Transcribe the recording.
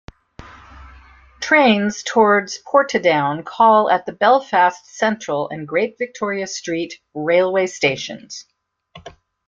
Trains towards Portadown call at the Belfast Central and Great Victoria Street railway stations.